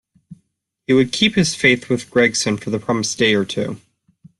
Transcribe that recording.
He would keep his faith with Gregson for the promised day or two.